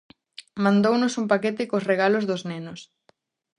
Mandounos un paquete cos regalos dos nenos.